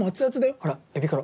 ほらエビコロ。